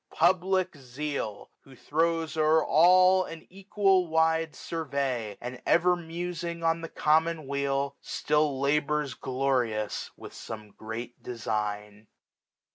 Public Zeal; 1615 Who throws o*er all an equal wide survey ; And, ever musing on the common weal. Still labours glorious with some great design.